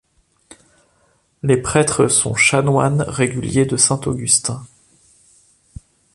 Les prêtres sont chanoines réguliers de saint Augustin.